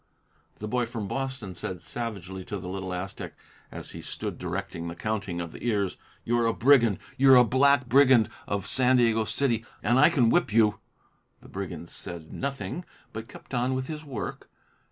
The boy from Boston said savagely to the little Aztec, as he stood directing the counting of the ears, "You're a brigand! You're the black brigand of San Diego City, and I can whip you!" The brigand said nothing, but kept on with his work.